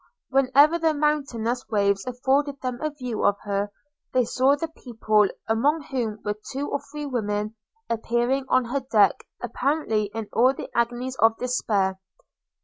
Whenever the mountainous waves afforded them a view of her, they saw the people, among whom were two or three women, appearing on her deck, apparently in all the agonies of despair.